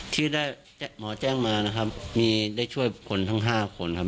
ที่ได้หมอแจ้งมานะครับมีได้ช่วยคนทั้ง๕คนครับ